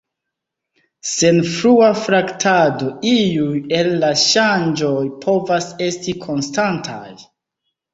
Sen frua traktado iuj el la ŝanĝoj povas esti konstantaj.